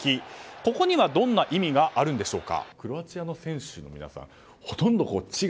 ここにはどんな意味があるんでしょうか。